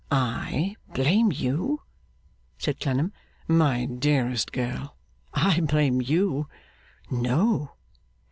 'I blame you?' said Clennam. 'My dearest girl! I blame you? No!